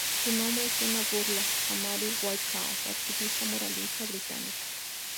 Su nombre es una burla a Mary Whitehouse, activista moralista británica.